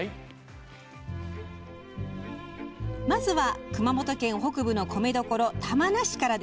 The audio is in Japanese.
まずは熊本県北部の米どころ玉名市から！